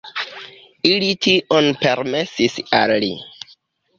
Ili tion permesis al li.